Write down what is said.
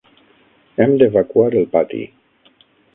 Hem d'evacuar el pati.